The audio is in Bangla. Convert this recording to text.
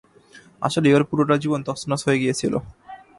আসলেই, ওর পুরোটা জীবন তছনছ হয়ে গিয়েছিল।